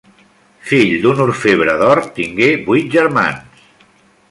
Fill d'un orfebre d'or, tingué vuit germans.